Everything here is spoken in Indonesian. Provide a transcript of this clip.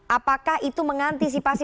apakah itu mengantisipasi